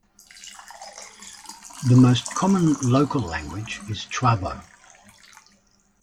The most common local language is Chuabo.